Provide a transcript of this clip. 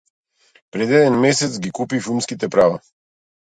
Пред еден месец ги купи филмските права